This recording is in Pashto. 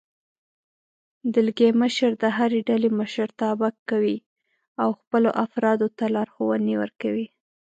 دلګی مشر د هرې ډلې مشرتابه کوي او خپلو افرادو ته لارښوونې ورکوي.